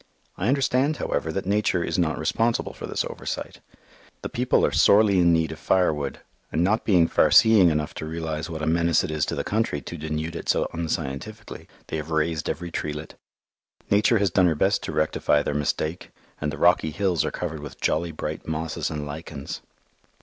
I understand, however, that Nature is not responsible for this oversight. The people are sorely in need of firewood, and not being far seeing enough to realize what a menace it is to the country to denude it so unscientifically, they have razed every treelet. Nature has done her best to rectify their mistake, and the rocky hills are covered with jolly bright mosses and lichens.